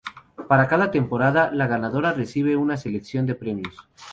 Para cada temporada, la ganadora recibe una selección de premios.